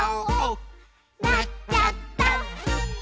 「なっちゃった！」